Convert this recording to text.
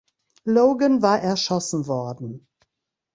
Logan war erschossen worden.